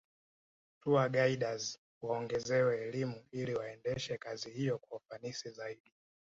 Tourguides waongezewe elimu ili waendeshe kazi hiyo kwa ufanisi zaidi